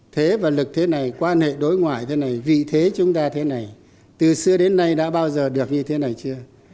thế và lực thế này quan hệ đối ngoại thế này vị thế chúng ta thế này từ xưa đến nay đã bao giờ được như thế này chưa